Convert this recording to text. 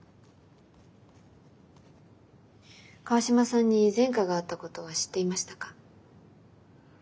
川島さんに前科があったことは知っていましたか？